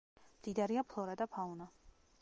მდიდარია ფლორა და ფაუნა.